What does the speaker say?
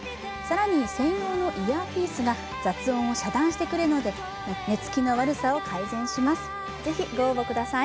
更に専用のイヤーピースが雑音を遮断してくれるので寝つきの悪さを改善します。